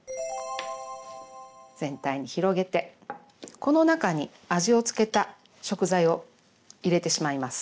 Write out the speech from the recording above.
全体に広げてこの中に味をつけた食材を入れてしまいます。